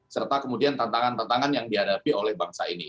serta kemudian tantangan tantangan yang dihadapi oleh bangsa ini